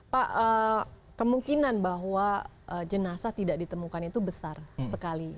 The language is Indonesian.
pak kemungkinan bahwa jenazah tidak ditemukan itu besar sekali